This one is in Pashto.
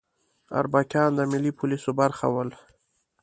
اربکیان د ملي پولیسو برخه ول